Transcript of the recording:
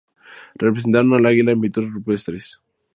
Representaron al águila en pinturas rupestres.